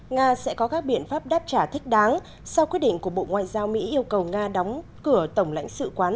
nga sẽ có các biện pháp đáp trả thích đáng sau quyết định của bộ ngoại giao mỹ yêu cầu nga đóng cửa tổng lãnh sự quán